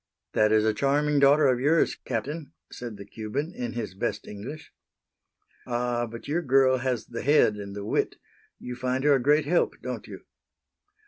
"That is a charming daughter of yours, Captain," said the Cuban, in his best English. "Ah! but your girl has the head and the wit. You find her a great help, don't you?"